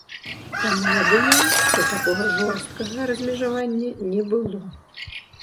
Таму я думаю, што такога жорсткага размежавання не было.